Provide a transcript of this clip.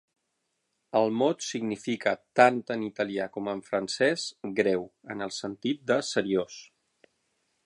El mot significa -tant en italià com en francès- 'greu', en el sentit de seriós.